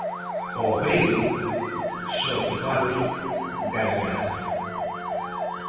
Ao 'Breo' só lle vale gañar.